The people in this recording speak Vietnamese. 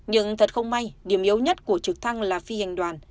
nhưng thật không may điểm yếu nhất của trực thăng là phi hành đoàn